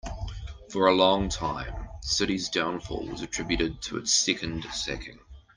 For a long time, the city's downfall was attributed to its second sacking.